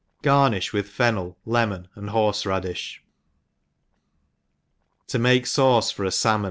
—rGarnini with fennel, lemon, and horfe radifli. 91? make Sauce for a Salmo!?.